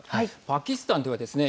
パキスタンではですね